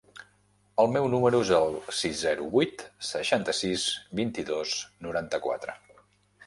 El meu número es el sis, zero, vuit, seixanta-sis, vint-i-dos, noranta-quatre.